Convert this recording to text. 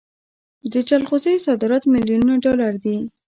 د جلغوزیو صادرات میلیونونه ډالر دي.